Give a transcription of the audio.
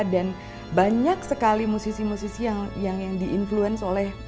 dan banyak sekali musisi musisi yang di influence oleh